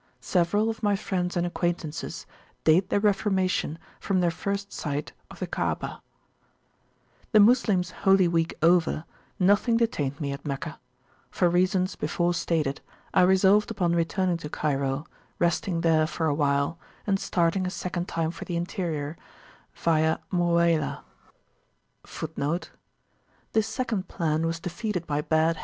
Several of my friends and acquaintances date their reformation from their first sight of the Kaabah. The Moslems Holy Week over, nothing detained me at Meccah. For reasons before stated, I resolved upon returning to Cairo, resting there for awhile, and starting a second time for the interior, via Muwaylah.